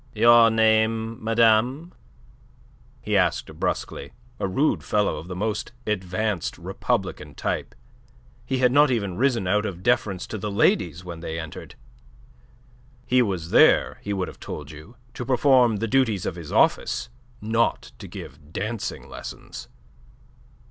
"Your name, madame?" he had asked brusquely. A rude fellow of the most advanced republican type, he had not even risen out of deference to the ladies when they entered. He was there, he would have told you, to perform the duties of his office, not to give dancing lessons.